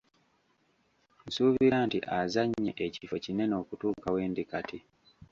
Nsuubira nti azannye ekifo kinene okutuuka wendi kati.